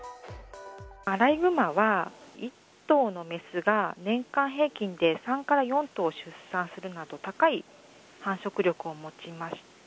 アライグマは１頭のメスが年間平均で３から４頭出産するなど高い繁殖力を持ちます。